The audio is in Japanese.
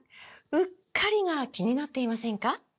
“うっかり”が気になっていませんか？